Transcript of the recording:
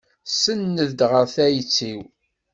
Senned-d ɣer tayet-iw.